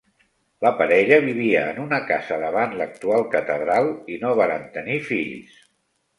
La parella vivia en una casa davant l'actual catedral i no varen tenir fills.